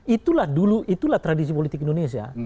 itulah dulu itulah tradisi politik indonesia